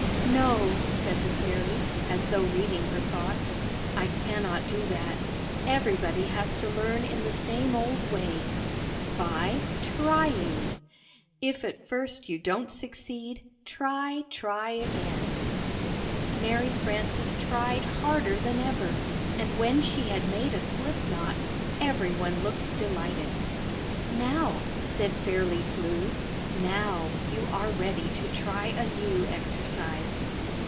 "No," said the fairy, as though reading her thoughts, "I cannot do that. Everybody has to learn in the same old way — ^by — trying —■' If at first you don't succeed, Try, try again.' " Mary Frances tried harder than ever, and when she had made a slip knot, every one delighted. ,Yerv om d (delighted. 150 Knitting and Crocheting Book "Now," said Fairly Flew, "now, you are ready to try a new exercise."